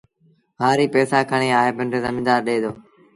هآريٚ پئيٚسآ کڻي آئي پنڊري زميدآر ڏي دو